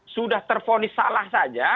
sudah terponis salah saja